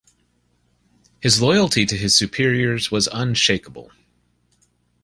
His loyalty to his superiors was unshakable.